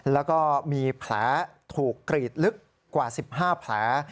แล้วก็มีแผลถูกกรีดลึกกว่า๑๕แผล